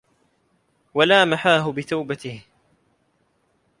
وَلَا مَحَاهُ بِتَوْبَتِهِ